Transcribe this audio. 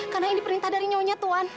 karena ini perintah dari nyonya tuan